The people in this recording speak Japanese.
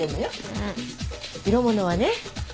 色ものはね